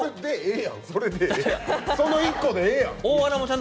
その１個でええやん！